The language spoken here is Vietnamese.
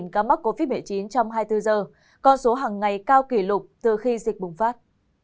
sáu mươi ca mắc covid một mươi chín trong hai mươi bốn giờ con số hằng ngày cao kỷ lục từ khi dịch bùng phát